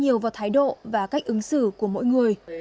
nhiều vào thái độ và cách ứng xử của mỗi người